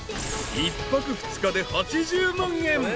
［１泊２日で８０万円］